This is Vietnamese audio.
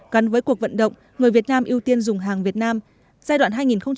gắn với cuộc vận động người việt nam ưu tiên dùng hàng việt nam giai đoạn hai nghìn một mươi bốn hai nghìn hai mươi